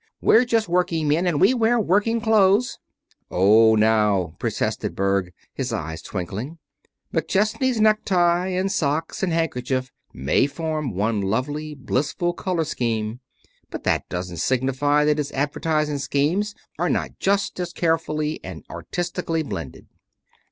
We're just working men, and we wear working clothes " "Oh, now," protested Berg, his eyes twinkling, "McChesney's necktie and socks and handkerchief may form one lovely, blissful color scheme, but that doesn't signify that his advertising schemes are not just as carefully and artistically blended."